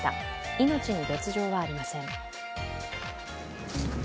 命に別状はありません。